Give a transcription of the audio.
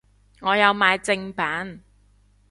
我有買正版